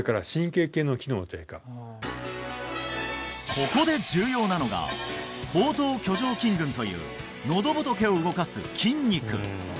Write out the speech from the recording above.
ここで重要なのが喉頭挙上筋群というのど仏を動かす筋肉